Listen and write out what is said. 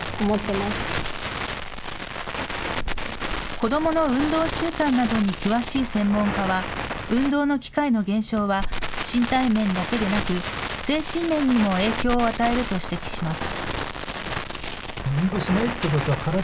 子どもの運動習慣などに詳しい専門家は、運動の機会の減少は身体面だけでなく精神面にも影響を与えると指摘します。